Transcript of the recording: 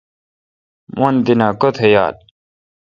من تینہ کتہ یال۔